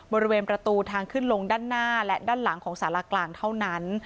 บริเวณประตูทางขึ้นลงด้านหน้าและด้านหลังของสารกลางเท่านั้น